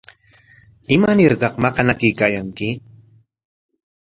¿Imanartaq maqanakuykaayanki?